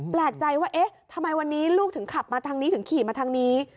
แปลกใจว่าเอ๊ะทำไมวันนี้ลูกถึงขับมาทางนี้ถึงขี่มาทางนี้